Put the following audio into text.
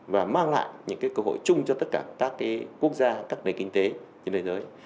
và mang lại những cơ hội chung cho tất cả các quốc gia các nền kinh tế trên thế giới